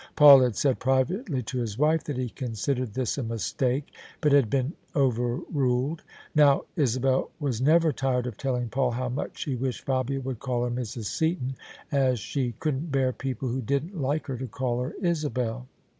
Paul had said privately to his wife that he considered this a mistake, but had been overruled. Now Isabel was never tired of telling Paul how much she wished Fabia would call her Mrs. Seaton, as she couldn't bear people who didn't like her to call her Isabel.